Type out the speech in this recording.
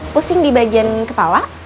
pusing di bagian kepala